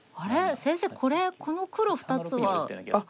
先生これこの黒２つは？